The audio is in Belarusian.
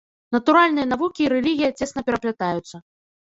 Натуральныя навукі і рэлігія цесна пераплятаюцца.